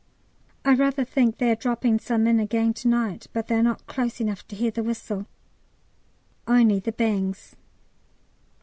I rather think they are dropping some in again to night, but they are not close enough to hear the whistle, only the bangs.